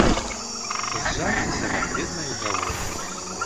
Зжальцеся над беднай удавой!